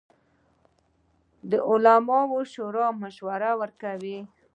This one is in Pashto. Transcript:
د علماوو شورا مشورې ورکوي